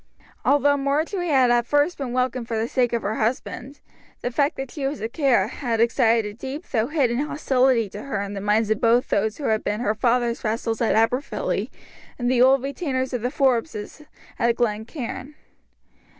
Although Marjory had at first been welcomed for the sake of her husband, the fact that she was a Kerr had excited a deep though hidden hostility to her in the minds both of those who had been her father's vassals at Aberfilly, and the old retainers of the Forbeses at Glen Cairn.